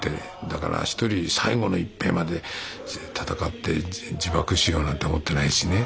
だから一人最後の一兵まで闘って自爆しようなんて思ってないしね。